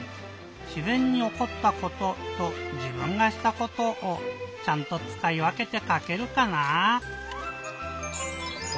「しぜんにおこったこと」と「じぶんがしたこと」をちゃんとつかいわけてかけるかな？